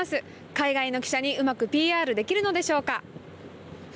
海外の記者にうまくＰＲできるのでしょうか。